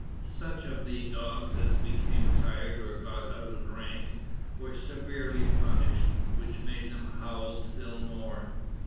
Such of the dogs as became tired, or got out of rank, were severely punished, which made them howl still more.